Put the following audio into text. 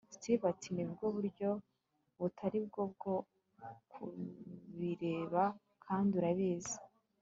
steve ati nibwo buryo butari bwo bwo kubireba kandi urabizi